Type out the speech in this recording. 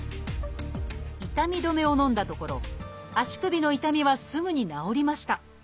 痛み止めをのんだところ足首の痛みはすぐに治りました。